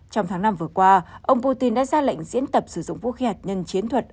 trong tháng năm vừa qua ông putin đã ra lệnh diễn tập sử dụng vũ khí hạt nhân chiến thuật